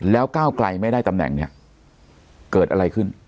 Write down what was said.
แล้วก้าวไกลไม่ได้ตำแหน่งเนี่ยเกิดอะไรขึ้น